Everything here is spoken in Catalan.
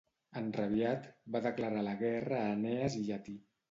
Enrabiat, va declarar la guerra a Enees i Llatí.